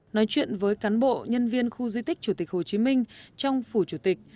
nói chuyện với cán bộ nhân viên khu di tích chủ tịch hồ chí minh trong phủ chủ tịch